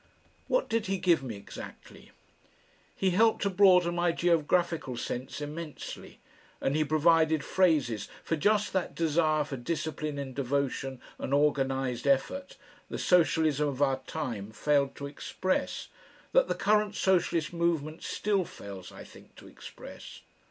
What did he give me exactly? He helped to broaden my geographical sense immensely, and he provided phrases for just that desire for discipline and devotion and organised effort the Socialism of our time failed to express, that the current socialist movement still fails, I think, to express.